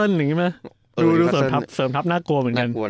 ดูเสริมทัพน่ากลัวเหมือนกัน